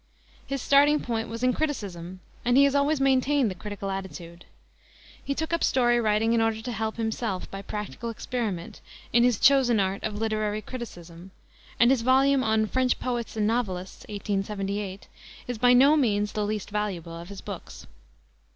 His starting point was in criticism, and he has always maintained the critical attitude. He took up story writing in order to help himself, by practical experiment, in his chosen art of literary criticism, and his volume on French Poets and Novelists, 1878, is by no means the least valuable of his books.